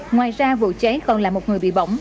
ngoài ra vụ cháy còn lại một người bị bỏng